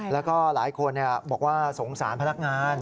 แล้วก็หลายคนบอกว่าสงสารพนักงาน